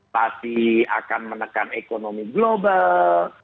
pasti akan menekan ekonomi global